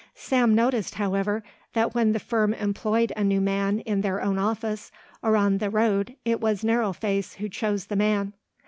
Sam noticed, however, that when the firm employed a new man in their own office or on the road it was Narrow Face who chose the man.